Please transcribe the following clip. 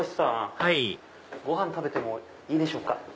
はいごはん食べてもいいでしょうか？